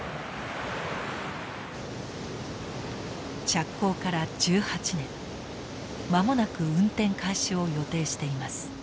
着工から１８年間もなく運転開始を予定しています。